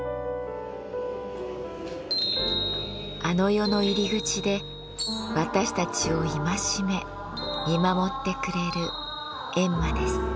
あの世の入り口で私たちを戒め見守ってくれる閻魔です。